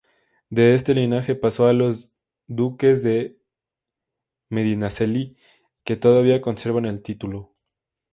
De este linaje pasó a los duques de Medinaceli que todavía conservan el título.